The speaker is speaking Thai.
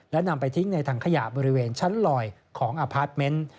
และนำไปทิ้งในถังขยะบริเวณชั้นลอยของอพาร์ทเมนต์